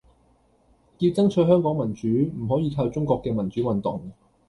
要爭取香港民主，唔可以靠中國嘅民主運動